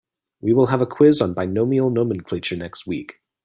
We will have a quiz on binomial nomenclature next week.